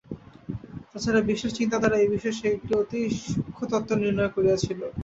তা ছাড়া বিশেষ চিন্তা দ্বারা এ বিষয়ে সে একটি অতি সুক্ষ্ণতত্ত্ব নির্ণয় করিয়াছিল।